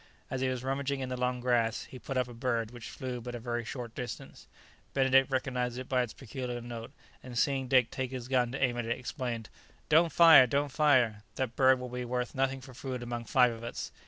As he was rummaging in the long grass, he put up a bird which flew but a very short distance. Benedict recognized it by its peculiar note, and, seeing Dick take his gun to aim at it, exclaimed, "Don't fire, don't fire! that bird will be worth nothing for food among five of us."